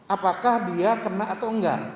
apakah dia kena atau enggak